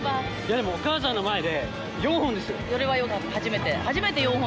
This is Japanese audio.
でもお母さんの前で４本ですよ。